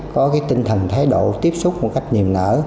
có tinh thần thái độ tiếp xúc một cách nhiều nở